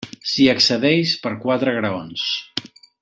S'hi accedeix per quatre graons.